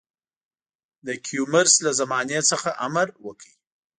د کیومرث له زمانې څخه امر وکړ.